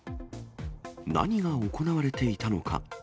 何が行われていたのか。